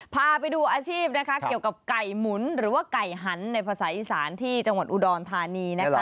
พาไปดูอาชีพนะคะเกี่ยวกับไก่หมุนหรือว่าไก่หันในภาษาอีสานที่จังหวัดอุดรธานีนะคะ